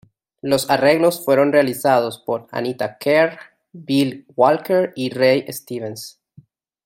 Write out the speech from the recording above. Los arreglos fueron realizados por Anita Kerr, Bill Walker y Ray Stevens.